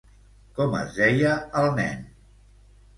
Com es deia el nen?